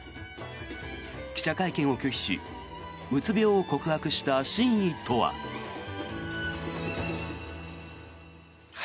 記者会見を拒否しうつ病を告白した真意とは。